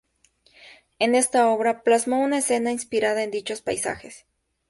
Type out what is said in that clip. En esta obra plasmó una escena inspirada en dichos paisajes.